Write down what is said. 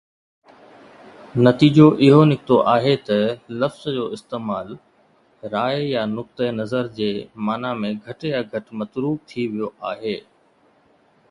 نتيجو اهو نڪتو آهي ته لفظ جو استعمال راءِ يا نقطهءِ نظر جي معنيٰ ۾ گهٽ يا گهٽ متروڪ ٿي ويو آهي.